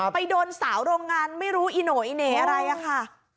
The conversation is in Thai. ไปโดนสาวโรงงานไม่รู้อีโหน่อีเหน่อะไรอะค่ะ